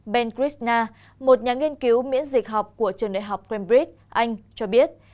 ben krishna một nhà nghiên cứu miễn dịch học của trường đại học cambridge anh cho biết